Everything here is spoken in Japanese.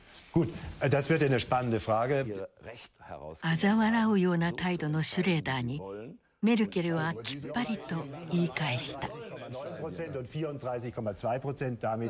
あざ笑うような態度のシュレーダーにメルケルはきっぱりと言い返した。